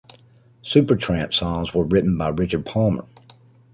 “Supertramp” songs were written by Richard Palmer.